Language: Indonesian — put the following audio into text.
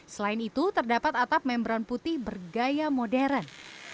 selain itu terdapat atap membran putih bergaya modern